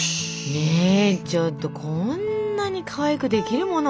ねえちょっとこんなにかわいくできるもの？